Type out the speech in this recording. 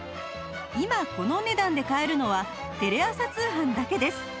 今このお値段で買えるのはテレ朝通販だけです